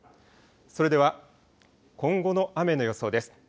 それでは今後の雨の予想です。